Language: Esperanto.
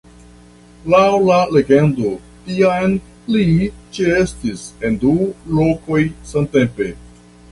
Laŭ la legendo, tiam li ĉeestis en du lokoj samtempe.